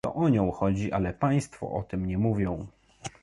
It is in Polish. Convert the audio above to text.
To o nią chodzi, ale Państwo o tym nie mówią